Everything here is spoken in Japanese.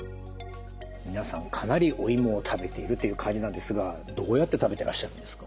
皆さんかなりおいもを食べているという感じなんですがどうやって食べてらっしゃるんですか？